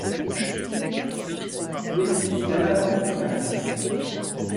Il est le fils d'Alla Kouli Khan.